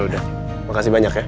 udah makasih banyak ya